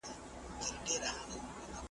تاسي باید په ژوند کي د مرګ شېبې ته تیاری ونیسئ.